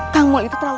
kang mul itu terlalu